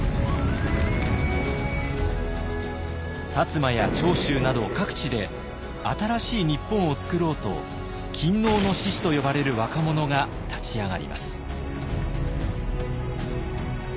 摩や長州など各地で新しい日本をつくろうと勤王の志士と呼ばれる若者が立ち上がります。